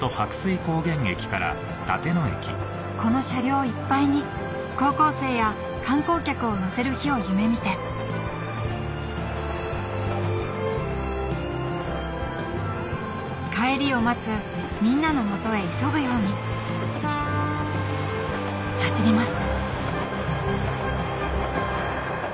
この車両いっぱいに高校生や観光客を乗せる日を夢見て帰りを待つみんなの元へ急ぐように走ります